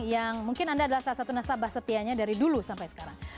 yang mungkin anda adalah salah satu nasabah setianya dari dulu sampai sekarang